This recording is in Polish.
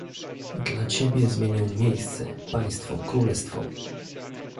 "Dla ciebie zmienię miejsce, państwo, królestwo!"